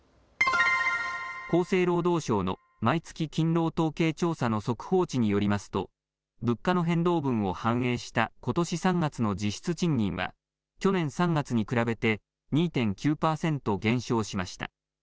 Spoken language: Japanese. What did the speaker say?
厚生労働省の毎月勤労統計調査の速報値によりますと物価の変動分を反映したことし３月の実質賃金は去年３月に比べて２．９％減少しました。